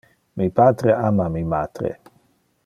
Mi patre ama mi matre.